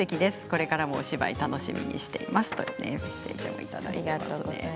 これからもお芝居楽しみにしていますというメッセージです。